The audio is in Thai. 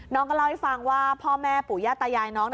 น้องก็เล่าให้ฟังว่าพ่อแม่ปู่ย่าตายายน้อง